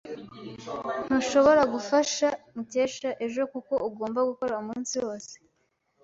Ntushobora gufasha Mukesha ejo kuko ugomba gukora umunsi wose.